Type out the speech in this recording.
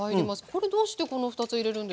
これどうしてこの２つ入れるんですか？